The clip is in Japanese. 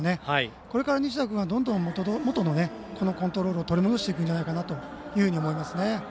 これから西田君は元のコントロールを取り戻していくんじゃないかなと思います。